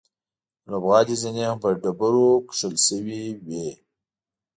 د لوبغالي زینې هم په ډبرو کښل شوې وې.